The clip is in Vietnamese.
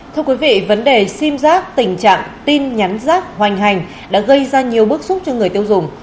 thưa quý vị vấn đề sim giác tình trạng tin nhắn rác hoành hành đã gây ra nhiều bức xúc cho người tiêu dùng